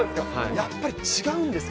やっぱり違うんですか？